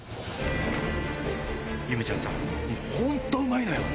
由芽ちゃんさもう本当うまいのよ！